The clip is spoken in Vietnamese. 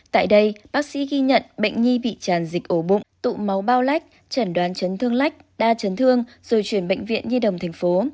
tại đây bác sĩ ghi nhận bệnh nhi bị tràn dịch ổ bụng tụ máu bao lách trần đoán chấn thương lách đa chấn thương rồi chuyển bệnh viện nhi đồng thành phố